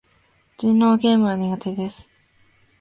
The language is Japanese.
人狼ゲームは苦手です。